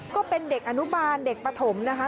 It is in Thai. ก็เป็นเด็กอนุบาลเด็กปฐมนะคะ